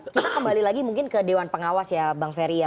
kita kembali lagi mungkin ke dewan pengawas ya bang ferry ya